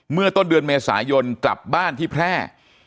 เมื่อต้นเดือนเมษายนกลับบ้านที่แพร่